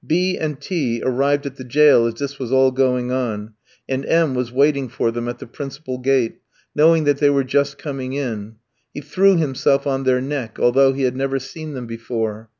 B ski and T ski arrived at the jail as this was all going on, and M ski was waiting for them at the principal gate, knowing that they were just coming in; he threw himself on their neck, although he had never seen them before.